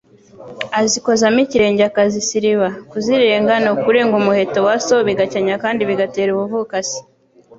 azikozamo ikirenge akazisiriba, kuzirenga ni ukurenga umuheto wa so bigakenya kandi bigatera ubuvukasi